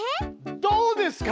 どうですか！